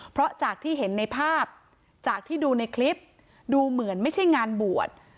เพราะจากที่เห็นในภาพจากที่ดูในคลิปดูเหมือนไม่ใช่งานบวช